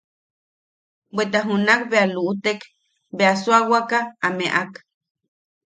Bweta junak bea luʼutek, bea Suawaka a meʼak.